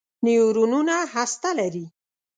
نیورونونه هسته لري.